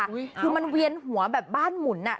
คือมันเวียนหัวแบบบ้านหมุนอ่ะ